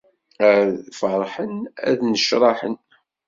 Ad ferḥen, ad nnecṛaḥen.